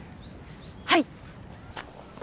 はい！